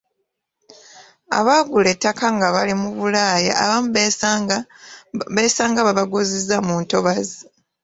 Abagula ettaka nga bali bulaaya abamu beesanga babaguzizza mu ntobazi.